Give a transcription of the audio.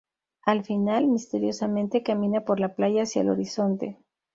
Al final, misteriosamente, camina por la playa hacia el horizonte.